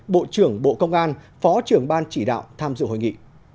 bộ trưởng bộ công an phó trưởng ban chỉ đạo tham dự hội nghị